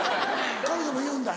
彼女も言うんだ